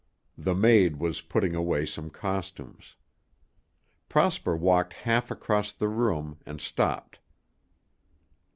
The maid was putting away some costumes. Prosper walked half across the room and stopped.